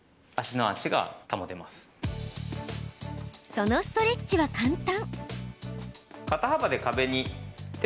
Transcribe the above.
そのストレッチは簡単。